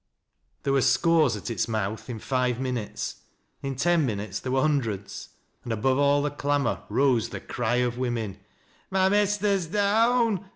There were scores at its mouth in five minutes ; in ten minutes there were hundreds, and above all the clamor rose the cry of women :" My Hester's down